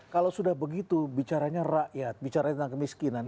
kalau sudah begitu bicaranya rakyat bicara tentang kemiskinan